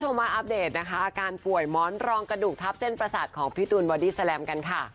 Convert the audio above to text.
มาอัปเดตนะคะอาการป่วยม้อนรองกระดูกทับเส้นประสาทของพี่ตูนบอดี้แลมกันค่ะ